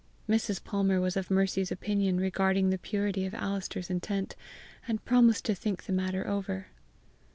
Mrs. Palmer was of Mercy's opinion regarding the purity of Alister's intent, and promised to think the matter over.